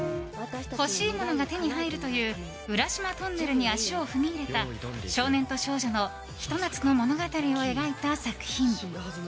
欲しいものが手に入るというウラシマトンネルに足を踏み入れた少年と少女のひと夏の物語を描いた作品。